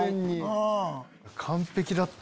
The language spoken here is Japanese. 完璧だった。